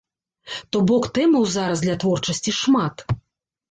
То бок тэмаў зараз для творчасці шмат.